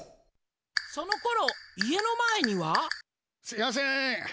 そのころ家の前には？すいやせん！